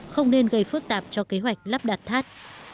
không nên gây phức tạp cho kế hoạch lắp đặt tháp